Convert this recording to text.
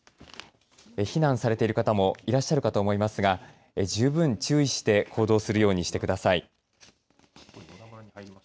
避難されている方もいらっしゃるかと思いますが十分注意して行動するようにしてください。